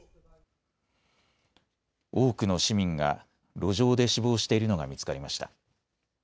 多くの市民が路上で死亡しているのが見つかりました。